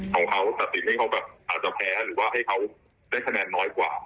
ของเขาตัดสินให้เขาแบบอาจจะแพ้หรือว่าให้เขาได้คะแนนน้อยกว่า